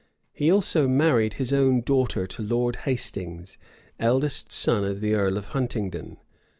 He also married his own daughter to Lord Hastings, eldest son of the earl of Huntingdon.